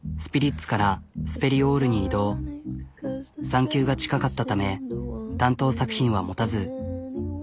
産休が近かったため担当作品は持たず。